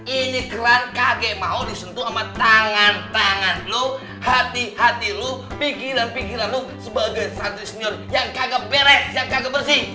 ini keren kaget mau disentuh sama tangan tangan lo hati hati lo pikiran pikiran lo sebagai santri senior yang kaget beres yang kaget bersih